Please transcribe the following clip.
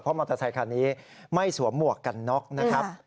มอเตอร์ไซคันนี้ไม่สวมหมวกกันน็อกนะครับ